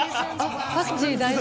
パクチー大丈夫？